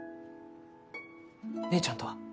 姉ちゃんとは？